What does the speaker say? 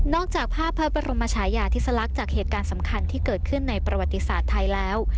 จากภาพพระบรมชายาธิสลักษณ์จากเหตุการณ์สำคัญที่เกิดขึ้นในประวัติศาสตร์ไทยแล้ว